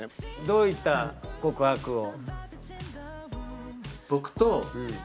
どういった告白を？